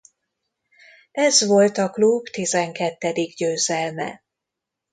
Ez volt a klub tizenkettedik győzelme.